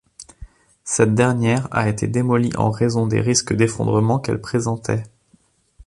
Cette dernière a été démolie en raison des risques d'effondrement qu'elle présentait.